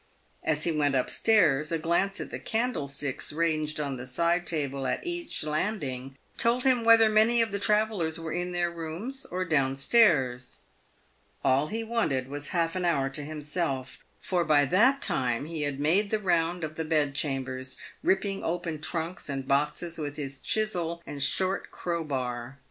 As he went up stairs, a glance at the candlesticks ranged on the side table at each landing, told him whether many of the travellers were in their rooms or down stairs. All he wanted was half an hour to himself, for by that time he had made the round of the bed chambers, ripping open trunks and boxes with his chisel and short crowbar.